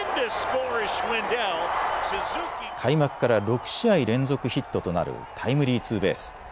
開幕から６試合連続ヒットとなるタイムリーツーベース。